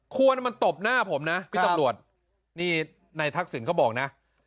ควรมันตบหน้าผมนะพี่ตำรวจนายทักศิลป์ก็บอกนะ